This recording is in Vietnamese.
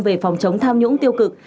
về phòng chống tham nhũng tiêu cực